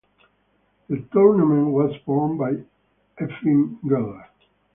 The tournament was won by Efim Geller.